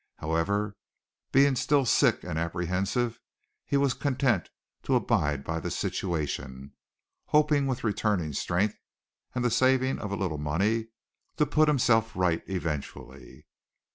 However, being still sick and apprehensive, he was content to abide by the situation, hoping with returning strength and the saving of a little money to put himself right eventually.